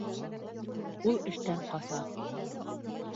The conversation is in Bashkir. Ул эштән ҡаса